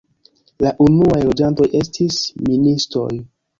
La unuaj loĝantoj estis ministoj.